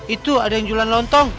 itu ada yang jualan lontong